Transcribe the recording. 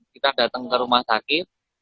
kita datang ke rumah sakit